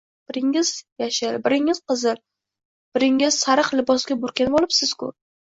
-Biringiz yashil, biringiz qizil, biringiz sariq libosga burkanvolibsizku.